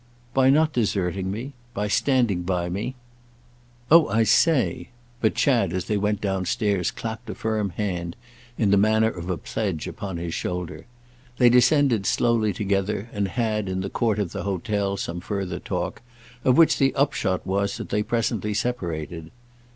"By not deserting me. By standing by me." "Oh I say—!" But Chad, as they went downstairs, clapped a firm hand, in the manner of a pledge, upon his shoulder. They descended slowly together and had, in the court of the hotel, some further talk, of which the upshot was that they presently separated.